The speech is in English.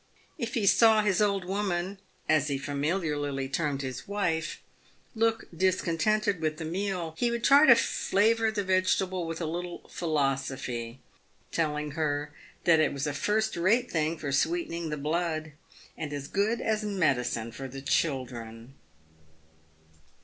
If he saw his old woman — as he familiarly termed his wife — look discontented with the meal, he would try to flavour the vegetable with a little philosophy, telling her that it was a first rate thing for sweetening the blood, and as good as medicine for the children.